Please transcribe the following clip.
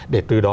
để từ đó